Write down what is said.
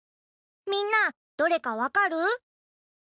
みんなどれかわかる？